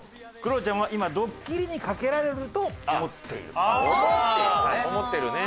クロちゃんは今ドッキリにかけられると思っている。